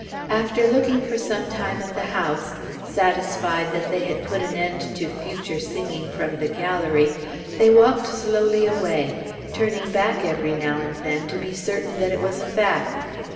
After looking for some time at the house, satisfied that they had put an end to future singing from the gallery, they walked slowly away, turning back every now and then to be certain that it was a fact.